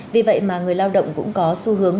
vì vậy mà người lao động cũng có xu hướng